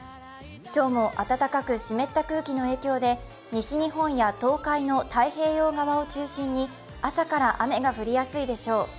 今日も暖かく湿った空気の影響で西日本や東海の太平洋側を中心に朝から雨が降りやすいでしょう。